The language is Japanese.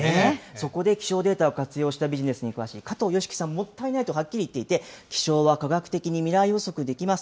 そこで気象データを活用したビジネスに関して詳しい加藤芳樹さん、もったいないと言っていて、気象は科学的に未来予測できます。